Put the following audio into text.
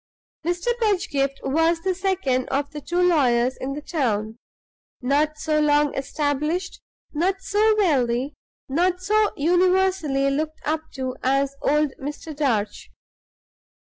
Mr. Pedgift was the second of the two lawyers in the town. Not so long established, not so wealthy, not so universally looked up to as old Mr. Darch.